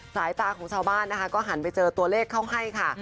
สายตาของชาวบ้านนะคะก็หันไปเจอตัวเลขเข้าให้ค่ะ